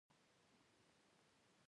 سندرې ویل د ښځو لخوا په ودونو کې دود دی.